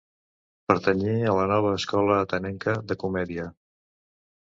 Pertanyé a la nova escola atenenca de comèdia.